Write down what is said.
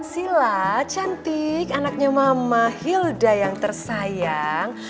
sila cantik anaknya mama hilda yang tersayang